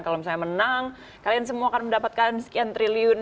kalau misalnya menang kalian semua akan mendapatkan sekian triliun